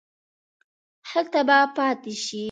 هلته به پاتې شې.